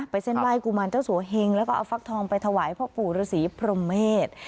ไปเส้นไหว้กุมารเจ้าสวแห่งแล้วก็เอาฟักทองไปถวายพ่อปู่ริศรีพระเมธ